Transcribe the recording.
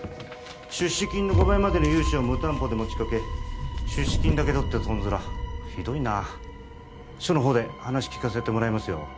出資金の５倍までの融資を無担保で持ちかけ出資金だけ取ってトンズラひどいな署の方で話聴かせてもらいますよ